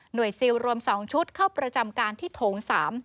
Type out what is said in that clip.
ซิลรวม๒ชุดเข้าประจำการที่โถง๓